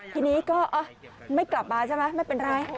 ทีนี้ก็ไม่กลับมาใช่ไหมไม่เป็นไร